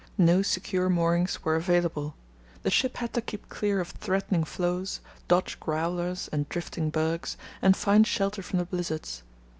No secure moorings were available. The ship had to keep clear of threatening floes, dodge "growlers" and drifting bergs, and find shelter from the blizzards.